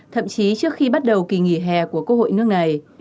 thậm chí trước khi bắt đầu kỳ nghỉ hè của quốc hội nước này